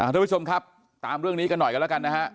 ทุกผู้ชมครับตามเรื่องนี้กันหน่อยกันแล้วกันนะฮะ